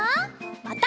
また。